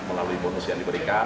melalui bonus yang diberikan